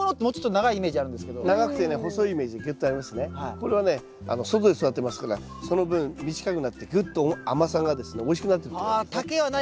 これはね外で育てますからその分短くなってグッと甘さがですねおいしくなってると思いますね。